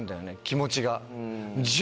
気持ちが。